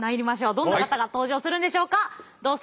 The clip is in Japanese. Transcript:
どんな方が登場するんでしょうか？